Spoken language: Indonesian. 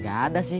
gak ada sih